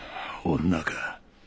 女か。